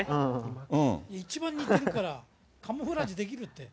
一番似てるから、カモフラージュできるって。